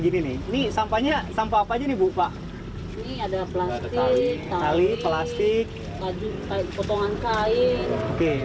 gini nih ini sampahnya sampah apa aja nih bu pak ini ada plastik tali plastik potongan kain oke